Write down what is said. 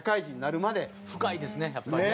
深いですねやっぱりね。